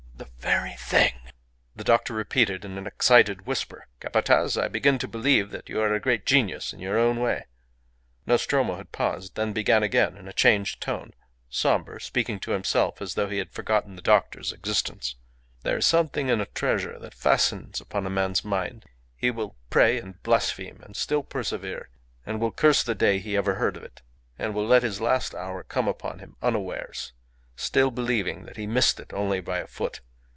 The very thing!" the doctor repeated in an excited whisper. "Capataz, I begin to believe that you are a great genius in your way." Nostromo had paused; then began again in a changed tone, sombre, speaking to himself as though he had forgotten the doctor's existence. "There is something in a treasure that fastens upon a man's mind. He will pray and blaspheme and still persevere, and will curse the day he ever heard of it, and will let his last hour come upon him unawares, still believing that he missed it only by a foot.